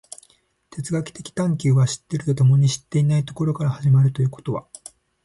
哲学的探求は知っていると共に知っていないところから始まるということは、